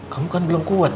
kamu kan belum kuat